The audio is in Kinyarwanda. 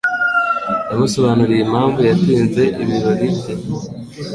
Yamusobanuriye impamvu yatinze ibirori bye.